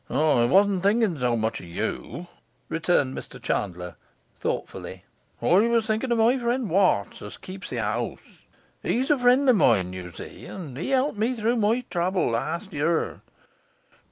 'I wasn't thinking so much of you,' returned Mr Chandler thoughtfully. 'I was thinking of my friend Watts as keeps the 'ouse; he's a friend of mine, you see, and he helped me through my trouble last year.